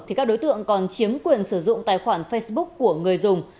thì các đối tượng còn chiếm quyền sử dụng tài khoản facebook của người dùng